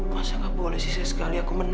masa gak boleh sih saya sekali aku menang